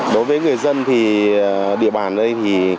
đối với người dân thì địa bàn đây